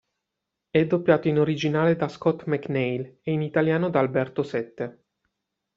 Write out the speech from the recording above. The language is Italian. È doppiato in originale da Scott McNeil ed in italiano da Alberto Sette.